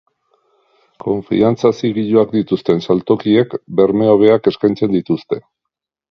Konfiantza zigiluak dituzten saltokiek berme hobeak eskaintzen dituzte.